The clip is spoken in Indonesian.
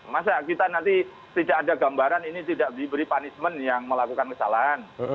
masa kita nanti tidak ada gambaran ini tidak diberi punishment yang melakukan kesalahan